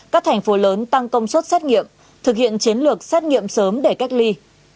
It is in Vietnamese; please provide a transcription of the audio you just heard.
các thành phố lớn tăng công suất xét nghiệm thực hiện chiến lược xét nghiệm sớm để cách ly